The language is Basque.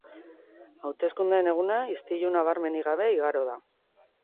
Hauteskundeen eguna istilu nabarmenik gabe igaro da.